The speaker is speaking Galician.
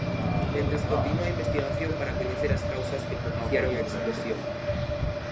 Mentres continua a investigación para coñecer as causas que propiciaron a explosión.